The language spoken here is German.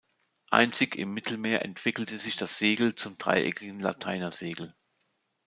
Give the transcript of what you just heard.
Einzig im Mittelmeer entwickelte sich das Segel zum dreieckigen Lateiner-Segel.